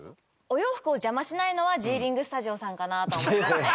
お洋服を邪魔しないのはジーリンクスタジオさんかなと思いますね。